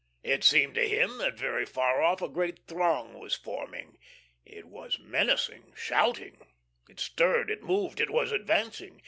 It seemed to him that very far off a great throng was forming. It was menacing, shouting. It stirred, it moved, it was advancing.